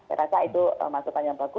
saya rasa itu maksudannya bagus